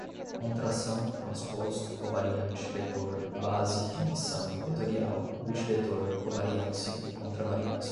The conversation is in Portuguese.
contração, transposto, covariante, vetor, base, dimensão, vetorial, multivetor, covariância e contravariância